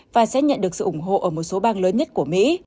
và sẽ nhận được sự ủng hộ ở một số bang lớn nhất của mỹ